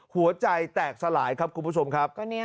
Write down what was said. หัวใจแตกสลายครับคุณผู้ชมครับ